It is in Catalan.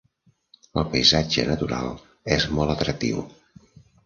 El paisatge natural és molt atractiu.